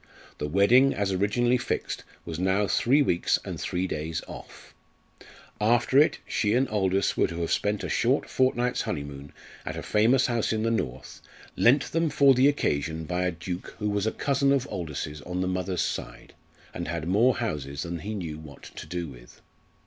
The wedding, as originally fixed, was now three weeks and three days off. After it, she and Aldous were to have spent a short fortnight's honeymoon at a famous house in the north, lent them for the occasion by a Duke who was a cousin of Aldous's on the mother's side, and had more houses than he knew what to do with.